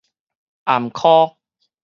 頷箍